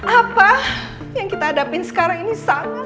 apa yang kita hadapin sekarang ini